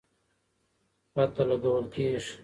پته لګول کېږي.